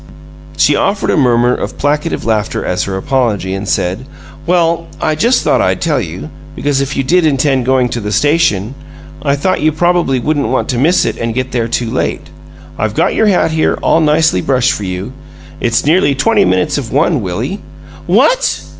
She offered a murmur of placative laughter as her apology, and said: "Well, I just thought I'd tell you because if you did intend going to the station, I thought you probably wouldn't want to miss it and get there too late. I've got your hat here all nicely brushed for you. It's nearly twenty minutes of one, Willie." "WHAT?"